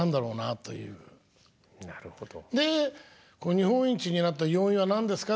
「日本一になった要因は何ですか？」